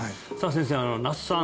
先生那須さん